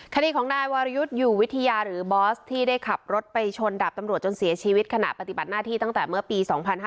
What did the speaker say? คดีของนายวรยุทธ์อยู่วิทยาหรือบอสที่ได้ขับรถไปชนดับตำรวจจนเสียชีวิตขณะปฏิบัติหน้าที่ตั้งแต่เมื่อปี๒๕๕๙